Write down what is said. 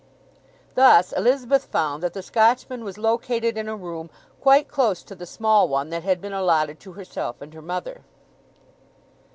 Thus Elizabeth found that the Scotchman was located in a room quite close to the small one that had been allotted to herself and her mother.